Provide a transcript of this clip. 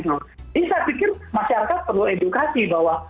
jadi saya pikir masyarakat perlu edukasi